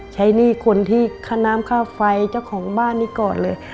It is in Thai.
หนี้คนที่ค่าน้ำค่าไฟเจ้าของบ้านนี้ก่อนเลย